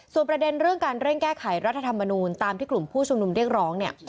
ส่วนประเด็นเรื่องการเร่งแก้ไขรัฐธรรมนูลตามที่กลุ่มผู้ชุมนุมเรียกร้องเนี่ย